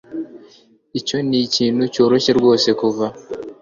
Icyo ni ikintu cyoroshye rwose kuvuga